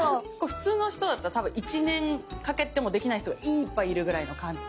普通の人だったら多分１年かけてもできない人がいっぱいいるぐらいの感じ。